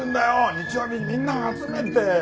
日曜日にみんなを集めて！